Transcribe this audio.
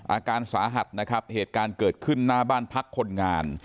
อาการสาหัสนะครับเหตุการณ์เกิดขึ้นหน้าบ้านพักคนงาน